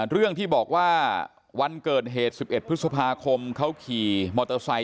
เรื่องที่บอกว่าวันเกิดเหตุ๑๑พฤษภาคมเขาขี่มอเตอร์ไซค